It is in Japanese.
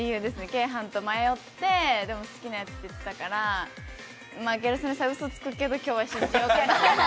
鶏飯と迷って、でも、好きなやつって言ってたから、ギャル曽根さんうそつくけど今日は信じようかな。